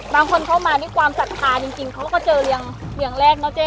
บางคนเข้ามาด้วยความศรัทธาจริงเขาก็เจอเรียงแรกเนอะเจ๊